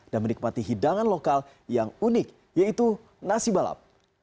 dan menikmati hidangan lokal yang unik yaitu nasi balap